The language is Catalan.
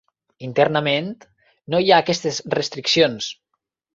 Internament no hi ha aquestes restriccions.